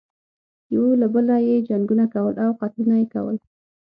یو له بله یې جنګونه کول او قتلونه یې کول.